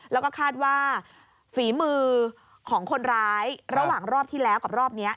แล้วก็คาดว่าฝีมือของคนร้ายระหว่างรอบที่แล้วกับรอบนี้